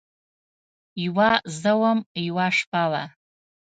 یوه زه وم، یوه شپه وه